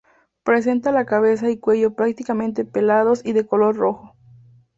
Presenta la cabeza y cuello prácticamente pelados y de color rojo.